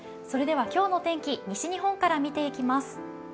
それでは今日の天気、西日本から見ていきます。